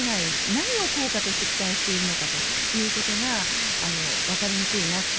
何を効果として期待しているのかということがわかりにくいなと。